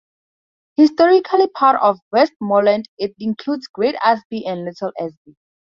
Historically part of Westmorland, it includes Great Asby and Little Asby.